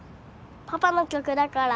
パパの曲だから。